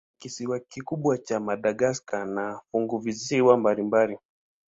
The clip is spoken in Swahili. Kuna kisiwa kikubwa cha Madagaska na funguvisiwa mbalimbali.